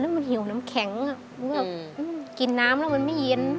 แล้วมันหิวน้ำแข็งมันกลิ่นน้ำแล้วมันไม่เย็น